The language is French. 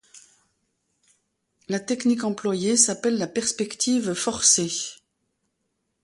La technique employée s'appelle la perspective forcée.